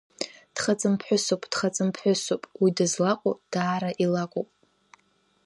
Дхаҵамԥҳәысуп, дхаҵамԥҳәысуп, уи дызлаҟоу даара илакәуп!